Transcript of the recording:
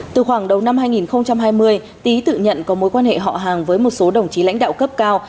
từ khoảng đầu năm hai nghìn hai mươi tý tự nhận có mối quan hệ họ hàng với một số đồng chí lãnh đạo cấp cao